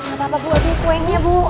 gak apa apa bu ini kuenya bu